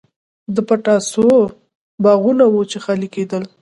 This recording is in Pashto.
د پتاسو غابونه وو چې خالي کېدل به.